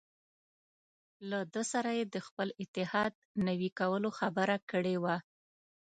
له ده سره یې د خپل اتحاد نوي کولو خبره کړې وه.